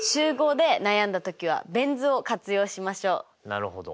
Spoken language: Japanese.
なるほど！